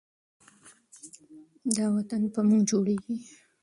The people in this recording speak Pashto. دا وطن په موږ جوړیږي.